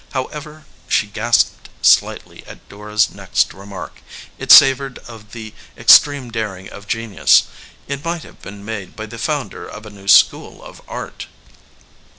However, she gasped slightly at Dora s next remark. It sav ored of the extreme daring of genius ; it might have been made by the founder of a new school of art.